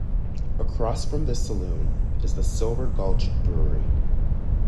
Across from this saloon is the Silver Gulch Brewery.